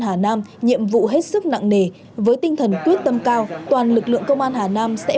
hà nam nhiệm vụ hết sức nặng nề với tinh thần quyết tâm cao toàn lực lượng công an hà nam sẽ